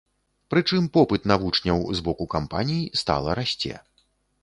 Прычым попыт на вучняў з боку кампаній стала расце.